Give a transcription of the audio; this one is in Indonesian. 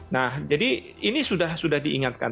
nah jadi ini sudah diingatkan